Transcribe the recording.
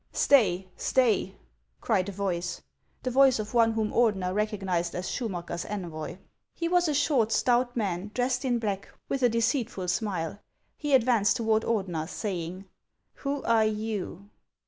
" Stay ! stay !" cried a voice, — the voice of one whom Ordener recognized as Schumacker's envoy. He was a short, stout man, dressed in black, with a HANS OF ICELAND. 347 deceitful smile. He advanced toward Ordener, saying: "Who are you?"